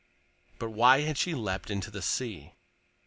_But why had she leaped into the sea?